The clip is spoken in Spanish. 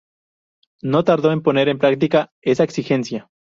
No tardó en ponerse en práctica esa exigencia.